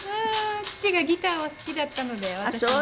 父がギターを好きだったので私も。